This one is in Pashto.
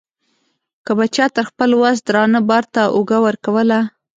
که به چا تر خپل وس درانه بار ته اوږه ورکوله.